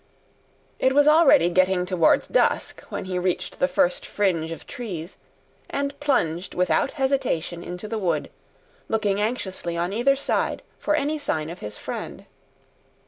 It was already getting towards dusk when he reached the first fringe of trees and plunged without hesitation into the wood, looking anxiously on either side for any sign of his friend.